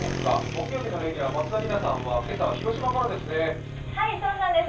木曜日のレギュラー、松田里奈さんは、今日は広島からですね。